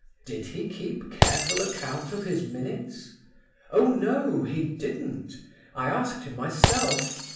Did he keep careful account of his minutes?" "Oh no, he didn't! I asked him myself.